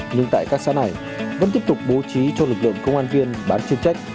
nhưng tại các xã này vẫn tiếp tục bố trí cho lực lượng công an viên bán chuyên trách